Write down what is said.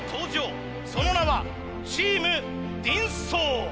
その名はチームＤンソー。